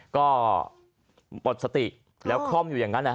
ก็หมดสติแล้วคล่อมอยู่อย่างนั้น